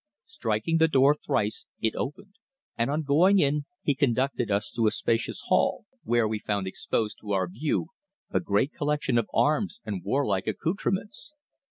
Striking the door thrice, it opened, and on going in he conducted us to a spacious hall, where we found exposed to our view a great collection of arms and warlike accoutrements.